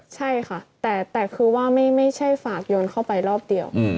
ใช่ค่ะแต่คือว่าไม่ใช่ฝากโยนเข้าไปรอบเดียว